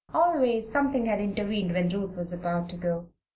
Always something had intervened when Ruth was about to go.